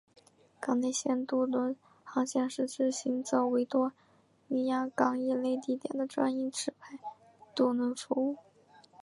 港内线渡轮航线是指行走维多利亚港以内地点的专营持牌渡轮服务。